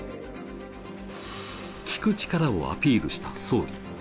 聞く力をアピールした総理。